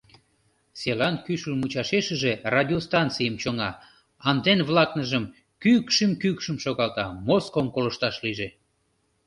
Селан кӱшыл мучашешыже радиостанцийым чоҥа, антен-влакныжым кӱкшым-кӱкшым шогалта, Моском колышташ лийже.